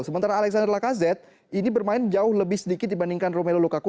sementara alexander lacazette ini bermain jauh lebih sedikit dibandingkan romelu lukaku